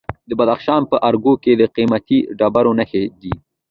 د بدخشان په ارګو کې د قیمتي ډبرو نښې دي.